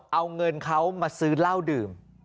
เอาเงินเขามาซื้อเหล้าดื่ม